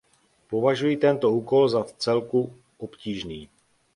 Považuji tento úkol za vcelku obtížný.